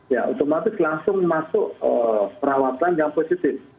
ya otomatis langsung masuk perawatan yang positif